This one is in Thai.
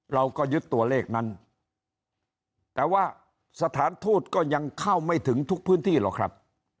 เราก็ยึดตัวเลขนั้นแต่ว่าสถานทูตก็ยังเข้าไม่ถึงทุกพื้นที่หรอกครับ